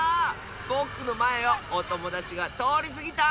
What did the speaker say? ぼくのまえをおともだちがとおりすぎた！